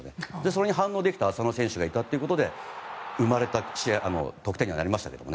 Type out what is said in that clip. それに反応できた浅野選手がいたということで生まれた得点になりましたけど。